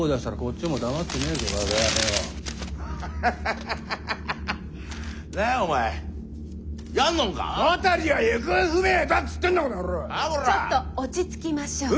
ちょっと落ち着きましょう。